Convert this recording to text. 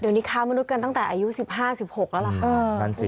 เดี๋ยวนี้ค้ามนุษย์กันตั้งแต่อายุ๑๕๑๖แล้วล่ะค่ะ